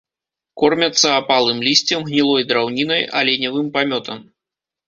Кормяцца апалым лісцем, гнілой драўнінай, аленевым памётам.